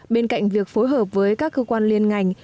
bên cạnh việc phối hợp với các cơ quan liên ngành